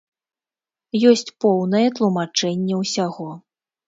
Ёсць поўнае тлумачэнне ўсяго.